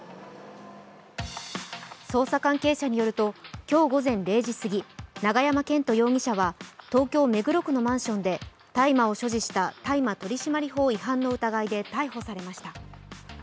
捜査関係者によると今日午前０時過ぎ、永山絢斗容疑者は東京・目黒区のマンションで大麻を所持した大麻取締法違反の疑いで逮捕されました。